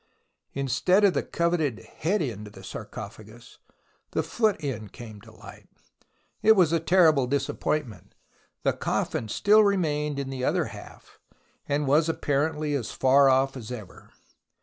Instead of the coveted head end of the sarco phagus, the foot end came to light. It was a terrible disappointment. The coffin still remained in the other half, and was apparently as far off as ever.